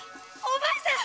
お前さん！